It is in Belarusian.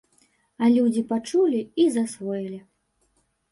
І людзі пачулі і засвоілі.